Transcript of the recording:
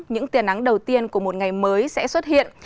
những tiền nắng đầu tiên của một ngày mới sẽ xuất hiện